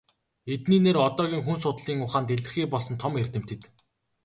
Эдний нэр одоогийн хүн судлалын ухаанд илэрхий болсон том эрдэмтэд.